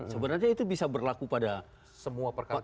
sebenarnya itu bisa berlaku pada semua perkara